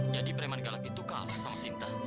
jadi preman galak itu kalah sama sinta